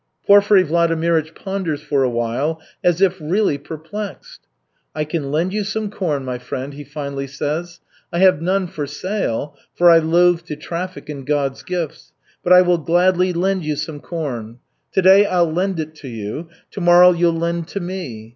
Porfiry Vladimirych ponders for a while, as if really perplexed. "I can lend you some corn, my friend," he finally says. "I have none for sale, for I loathe to traffic in God's gifts. But I will gladly lend you some corn. To day I'll lend to you, to morrow you'll lend to me.